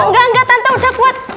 enggak enggak tante udah kuat